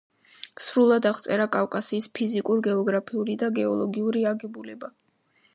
სრულად აღწერა კავკასიის ფიზიკურ-გეოგრაფიული და გეოლოგიური აგებულება.